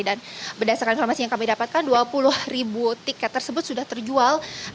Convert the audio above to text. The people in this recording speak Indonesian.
dan berdasarkan informasi yang kami dapatkan dua puluh ribu tiket tersebut sudah terjual